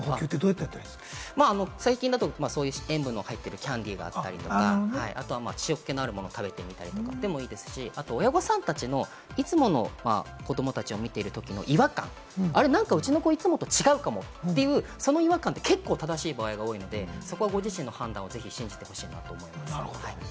最近だと塩分の入ってるキャンディーだったりとか、あとは塩気のあるものを食べたりでもいいですし、あと親御さんたちのいつも子供たちを見ているときの違和感、うちの子、いつもと違うかもという、その違和感って結構正しい場合が多いので、ご自身の判断をぜひ信じてほしいなと思います。